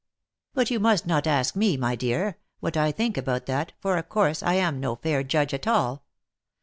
But you must not ask me, my dear, what I think about that, for of course I am no fair judge at all.